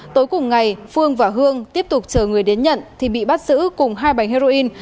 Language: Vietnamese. tối cùng ngày phương và hương tiếp tục chờ người đến nhận thì bị bắt giữ cùng hai bánh heroin